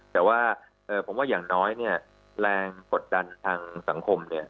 แต่ว่าผมว่าอย่างน้อยเนี่ยแรงกดดันทางสังคมเนี่ย